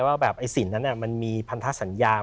ว่าสิ่งนั้นมันมีพันธสัญญา